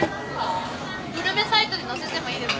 グルメサイトに載せてもいいですか？